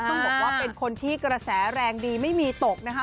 ต้องบอกว่าเป็นคนที่กระแสแรงดีไม่มีตกนะคะ